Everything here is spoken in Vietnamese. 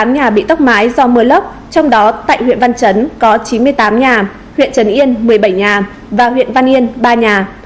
một trăm một mươi tám nhà bị tốc mái do mưa lốc trong đó tại huyện văn chấn có chín mươi tám nhà huyện trần yên một mươi bảy nhà và huyện văn yên ba nhà